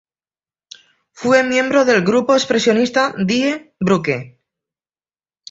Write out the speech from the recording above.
Fue miembro del grupo expresionista Die Brücke.